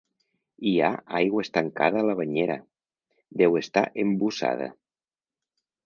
Hi ha aigua estancada a la banyera; deu estar embussada.